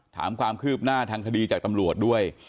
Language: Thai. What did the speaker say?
ถามความคืบหน้าทางคดีจากตำรวจด้วย